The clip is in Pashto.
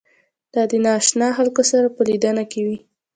دا د نااشنا خلکو سره په لیدنه کې وي.